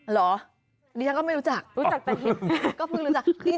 หรอดิฉันก็ไม่รู้จักรู้จักแต่เห็ด